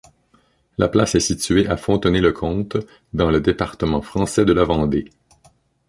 La place est située à Fontenay-le-Comte, dans le département français de la Vendée.